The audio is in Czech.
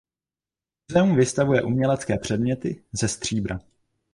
Muzeum vystavuje umělecké předměty ze stříbra.